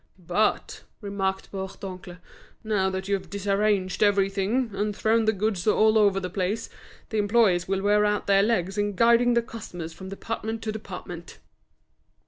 "But," remarked Bourdoncle, "now that you have disarranged everything, and thrown the goods all over the place, the employees will wear out their legs in guiding the customers from department to department."